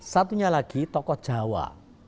satunya lagi tokoh jawa